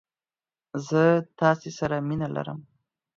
زه تاسې سره مينه ارم!